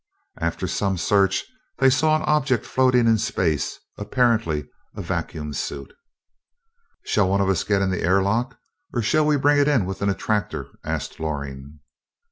After some search, they saw an object floating in space apparently a vacuum suit! "Shall one of us get in the airlock, or shall we bring it in with an attractor?" asked Loring.